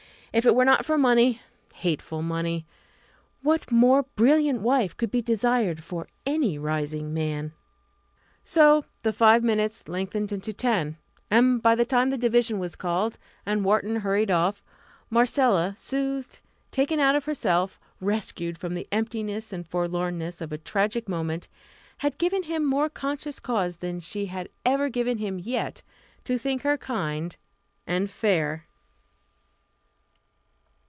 If it were not for money hateful money! what more brilliant wife could be desired for any rising man? So the five minutes lengthened into ten, and by the time the division was called, and Wharton hurried off, Marcella, soothed, taken out of herself, rescued from the emptiness and forlornness of a tragic moment, had given him more conscious cause than she had ever given him yet to think her kind and fair.